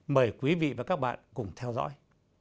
mời quý vị và các bạn cùng theo dõi